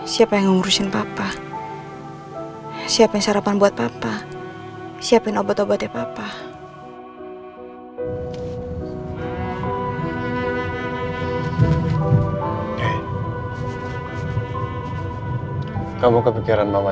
saya bawa kesini supaya kamu makan lagi